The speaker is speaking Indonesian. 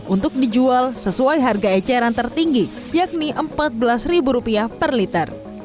untuk dijual sesuai harga eceran tertinggi yakni rp empat belas per liter